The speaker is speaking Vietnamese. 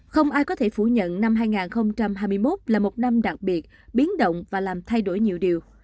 không ai có thể phủ nhận năm hai nghìn hai mươi một là một năm đặc biệt biến động và làm thay đổi nhiều điều